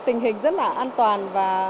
và tình hình rất là an toàn